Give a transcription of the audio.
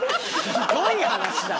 ひどい話だ。